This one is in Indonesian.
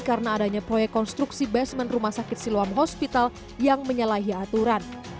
karena adanya proyek konstruksi basement rumah sakit siluam hospital yang menyalahi aturan